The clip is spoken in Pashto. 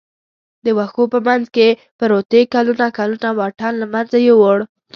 د وښو په منځ کې پروتې کلونه کلونه واټن له منځه یووړ.